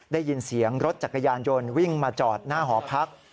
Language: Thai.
ได้ยินเสียงรถจักรยานยนต์วิ่งมาจอดหน้าหอพัก